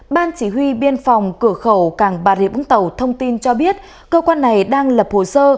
ban chỉ huy biên phòng cửa khẩu càng bà rịa vũng tàu thông tin cho biết cơ quan này đang lập hồ sơ